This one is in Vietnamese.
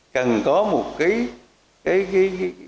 chúng ta cần có một cái